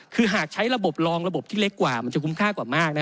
คือหากใช้ระบบรองระบบที่เล็กกว่ามันจะคุ้มค่ากว่ามากนะ